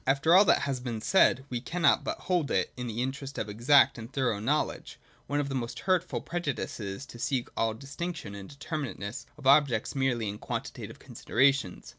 After all that has been said, we can not but hold it, in the interest of exact and thorough know ledge, one of the most hurtful prejudices, to seek all dis tinction and determinateness of objects merely in quantitative considerations.